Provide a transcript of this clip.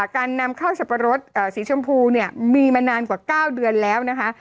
การนำเข้าสับปะรดสีชมพูเนี่ยมีมานานกว่า๙เดือนแล้วนะคะ